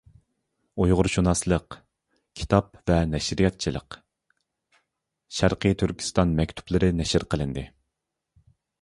ئۇيغۇرشۇناسلىق كىتاب ۋە نەشرىياتچىلىق «شەرقىي تۈركىستان مەكتۇپلىرى» نەشر قىلىندى.